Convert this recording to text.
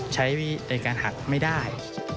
ใช้ในการหักไม่ได้